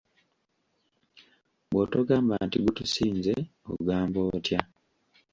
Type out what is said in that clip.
Bw'otogamba nti gutusinze ogamba otya?